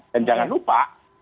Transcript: dan jangan lupa